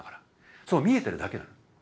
そう見えてるだけなの。